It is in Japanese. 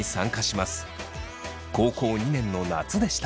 高校２年の夏でした。